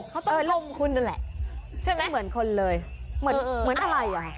เขาต้องลงคุณนั่นแหละไม่เหมือนคนเลยเหมือนอะไรอ่ะ